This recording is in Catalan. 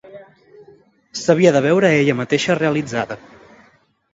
S'havia de veure a ella mateixa realitzada.